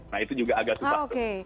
nah itu juga agak susah